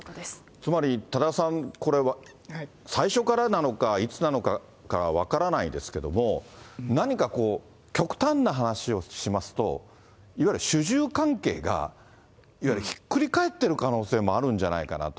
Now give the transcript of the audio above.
つまり、多田さん、これは最初からなのか、いつなのかは分からないですけども、何かこう、極端な話をしますと、いわゆる主従関係が、いわゆるひっくり返ってる可能性もあるんじゃないかなと。